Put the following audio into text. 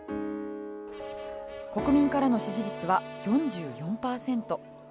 国民からの支持率は４４％。